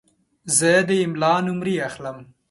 زه د املا نمرې اخلم.